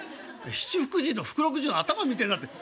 七福神の福禄寿の頭みてえになって。